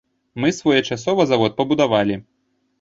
Мы своечасова завод пабудавалі.